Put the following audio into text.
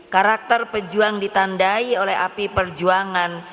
karakter pejuang ditandai oleh api perjuangan